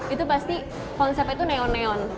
itu pasti konsepnya itu neon neon